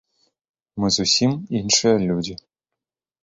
Мы зусім іншыя людзі.